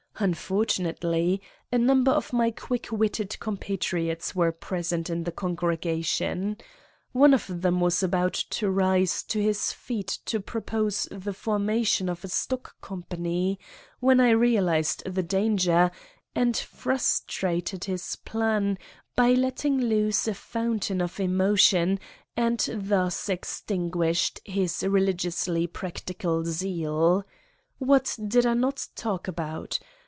Unfortunately, a number of my quick witted compatriots were present in the congregation. One of them was about to rise to his feet to pro pose the formation of a stock company, when I realized the danger and frustrated this plan by letting loose a fountain of emotion, and thus ex tinguished his religiously practical zeal! What did I not talk about?